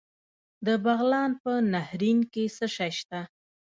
د بغلان په نهرین کې څه شی شته؟